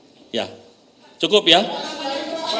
apa yang bisa disiapkan untuk berarti penjelajahnya akan datang